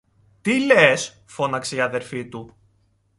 Τι λες! φώναξε η αδελφή του.